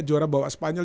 juara bawah spanyol